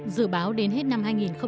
dự báo đến hết năm hai nghìn hai mươi